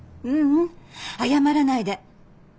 ううん謝らないで。